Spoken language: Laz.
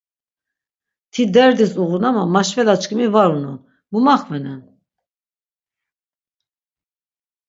Ti derdis uğun ama meşvelaçkimi var unon, mu maxvenen?